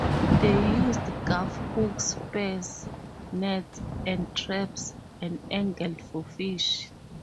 They used gaff hooks, spears, nets, and traps and angled for fish.